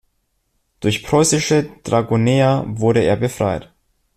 Durch preußische Dragoner wurde er befreit.